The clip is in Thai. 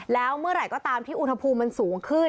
แล้วเมื่อไหร่ก็ตามที่อุณหภูมิมันสูงขึ้น